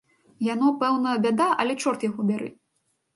Яно, пэўна, бяда, але чорт яго бяры.